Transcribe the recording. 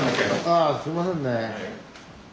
あすみませんね。